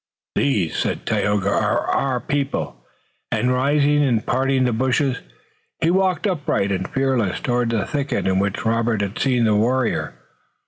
"These," said Tayoga, "are our people," and rising and parting the bushes, he walked, upright and fearless, toward the thicket in which Robert had seen the warrior.